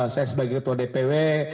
saya sebagai ketua dpw